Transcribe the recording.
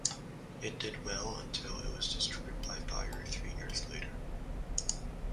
It did well until it was destroyed by fire three years later.